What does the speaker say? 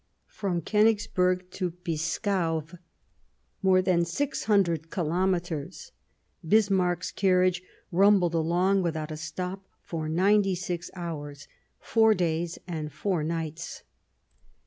From Konigs burg to Pskow, more than six hundred kilometres, Bismarck's carriage rumbled along without a stop for ninety six hours — four days and four nights.